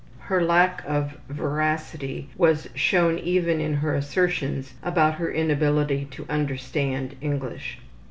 Her lack of veracity was shown even in her assertions about her inability to understand English.